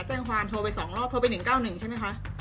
แจ้งอฮอล์โทรไปสองรอบโทรไปหนึ่งเก้าหนึ่งใช่ไหมค่ะ